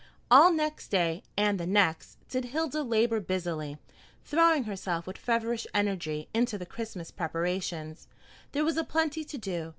All next day, and the next, did Hilda labor busily, throwing herself with feverish energy into the Christmas preparations. There was a plenty to do.